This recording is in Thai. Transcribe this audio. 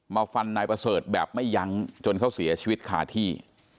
ฟันนายประเสริฐแบบไม่ยั้งจนเขาเสียชีวิตคาที่